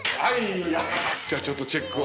じゃあちょっとチェックを。